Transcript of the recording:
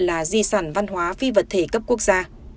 là di sản văn hóa phi vật thể cấp quốc gia